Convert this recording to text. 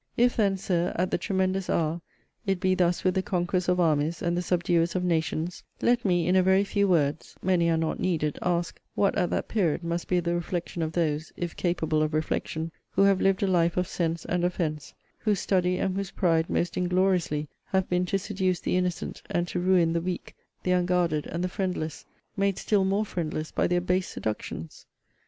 If then, Sir, at the tremendous hour it be thus with the conquerors of armies, and the subduers of nations, let me in a very few words (many are not needed,) ask, What, at that period, must be the reflection of those, (if capable of reflection,) who have lived a life of sense and offence; whose study and whose pride most ingloriously have been to seduce the innocent, and to ruin the weak, the unguarded, and the friendless; made still more friendless by their base seductions?